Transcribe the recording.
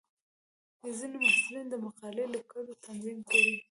ځینې محصلین د مقالې لیکلو تمرین کوي.